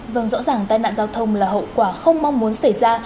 vâng rõ ràng tai nạn giao thông là hậu quả không mong muốn xảy ra